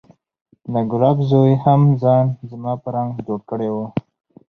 د ګلاب زوى هم ځان زما په رنګ جوړ کړى و.